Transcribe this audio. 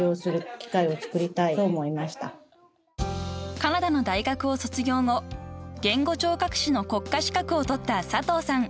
［カナダの大学を卒業後言語聴覚士の国家資格を取った佐藤さん］